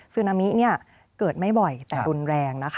ซึนามิเกิดไม่บ่อยแต่รุนแรงนะคะ